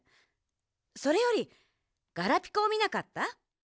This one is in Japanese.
それよりガラピコをみなかった？